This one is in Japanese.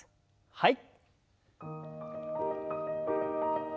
はい。